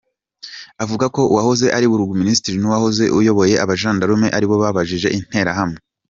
Avuga ko uwahoze ari Burugumesitiri n’uwari uyoboye abajandarume ari bo babagabije Interahamwe.